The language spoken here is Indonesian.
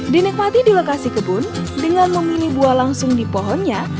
dinikmati di lokasi kebun dengan memilih buah langsung di pohonnya